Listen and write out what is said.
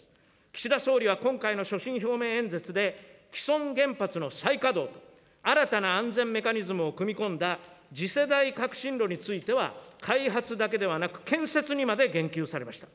岸田総理は今回の所信表明演説で、既存原発の再稼働、新たな安全メカニズムを組み込んだ次世代革新炉については、開発だけではなく、建設にまで言及されました。